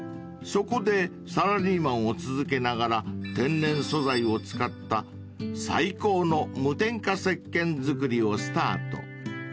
［そこでサラリーマンを続けながら天然素材を使った最高の無添加石鹸作りをスタート］